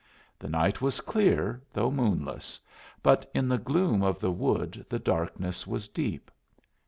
The night was clear, though moonless, but in the gloom of the wood the darkness was deep.